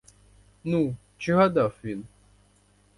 Ну, чи гадав він!